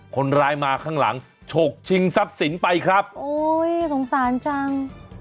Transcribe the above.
คนร้ายมาข้างหลังฉกชิงทรัพย์สินไปครับโอ้ยสงสารจัง